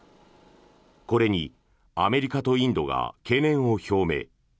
これにアメリカとインドが懸念を表明。